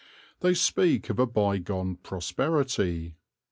They speak of a bygone prosperity.